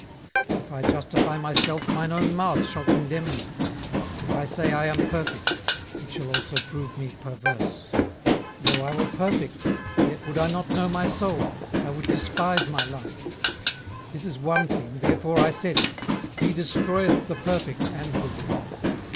18:009:020 If I justify myself, mine own mouth shall condemn me: if I say, I am perfect, it shall also prove me perverse. 18:009:021 Though I were perfect, yet would I not know my soul: I would despise my life. 18:009:022 This is one thing, therefore I said it, He destroyeth the perfect and the wicked.